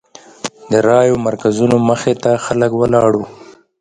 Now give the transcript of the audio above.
د رایو مرکزونو مخې ته خلک ولاړ وو.